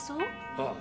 ああ。